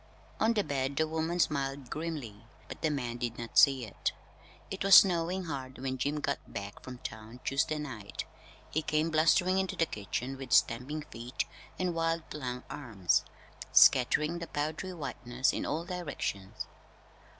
On the bed the woman smiled grimly but the man did not see it. It was snowing hard when Jim got back from town Tuesday night. He came blustering into the kitchen with stamping feet and wide flung arms, scattering the powdery whiteness in all directions.